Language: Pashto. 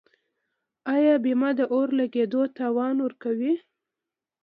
آیا بیمه د اور لګیدو تاوان ورکوي؟